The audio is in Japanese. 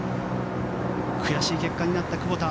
悔しい結果になった久保田。